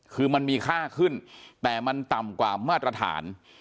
คือมันมีค่าขึ้นแต่มันต่ำกว่ามาตรฐาน